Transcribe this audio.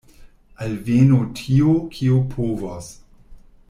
Alvenu tio, kio povos!